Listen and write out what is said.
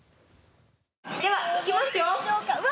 では、行きますよ。